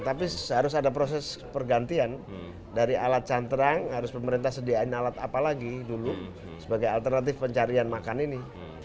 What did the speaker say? tapi harus ada proses pergantian dari alat cantrang harus pemerintah sediain alat apa lagi dulu sebagai alternatif pencarian makan ini